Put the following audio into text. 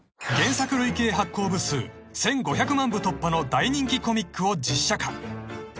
［原作累計発行部数１，５００万部突破の大人気コミックを実写化］